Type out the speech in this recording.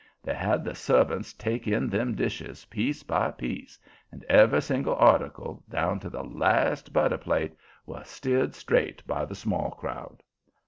They had the servants take in them dishes, piece by piece, and every single article, down to the last butter plate, was steered straight by the Small crowd.